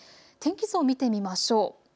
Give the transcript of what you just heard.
天気図を見てみましょう。